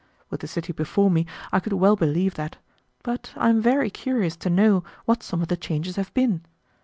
With the city before me I could well believe that, but I am very curious to know what some of the changes have been.